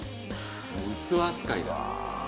器扱いだ。